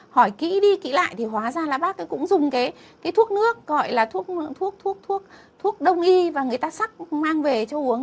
hỏi kỹ đi kỹ lại thì hóa ra là bác ấy cũng dùng cái thuốc nước gọi là thuốc thuốc đông y và người ta sắp mang về cho uống